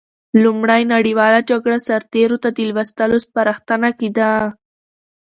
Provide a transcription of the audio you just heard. لومړۍ نړیواله جګړه سرتېرو ته د لوستلو سپارښتنه کېده.